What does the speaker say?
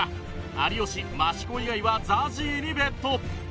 有吉益子以外は ＺＡＺＹ にベット